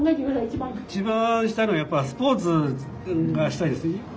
一番したいのはやっぱりスポーツがしたいですね。